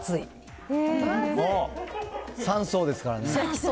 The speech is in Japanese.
３層ですからね。